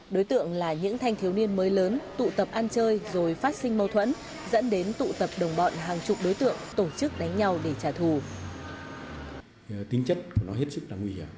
đối tượng là những thanh thiếu niên mới lớn tụ tập ăn chơi rồi phát sinh mâu thuẫn dẫn đến tụ tập đồng bọn hàng chục đối tượng tổ chức đánh nhau để trả thù